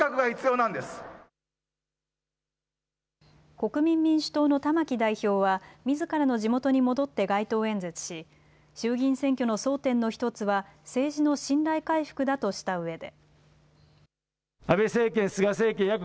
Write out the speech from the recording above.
国民民主党の玉木代表はみずからの地元に戻って街頭演説し、衆議院選挙の争点の１つは政治の信頼回復だとしたうえで。